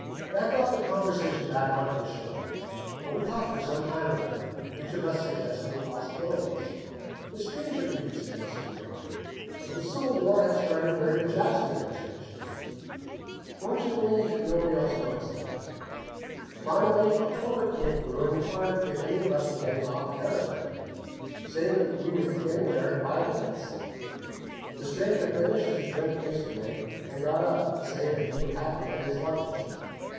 That got the conversation back onto the show, and we talked for some time about it, each of us suggesting possibilities. The stranger even suggested one that the Civil War had started during the Jackson Administration. Fortunately, nobody else noticed that. Finally, a porter came through and inquired if any of us were getting off at Harrisburg, saying that we would be getting in in five minutes. The stranger finished his drink hastily and got up, saying that he would have to get his luggage.